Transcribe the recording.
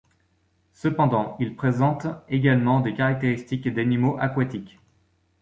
Cependant, il présente également des caractéristiques d'animaux aquatiques.